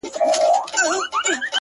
يارانو راټوليږی چي تعويذ ورڅخه واخلو’